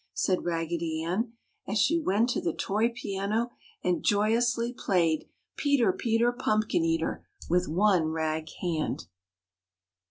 said Raggedy Ann, as she went to the toy piano and joyously played "Peter Peter Pumpkin Eater" with one rag hand.